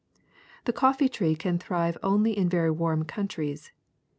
The coffee tree can thrive only in very warm countries.